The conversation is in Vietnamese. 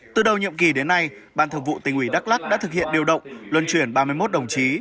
từ đầu nhiệm kỳ đến nay ban thượng vụ tỉnh ủy đắk lắc đã thực hiện điều động luân chuyển ba mươi một đồng chí